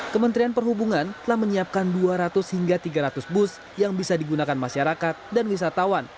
kementerian perhubungan telah menyiapkan dua ratus hingga tiga ratus bus yang bisa digunakan masyarakat dan wisatawan